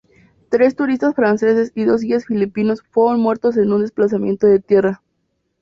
Tres turistas franceses y dos guías filipinos fueron muertos en un deslizamiento de tierra.